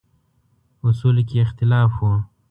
اصولو کې اختلاف و.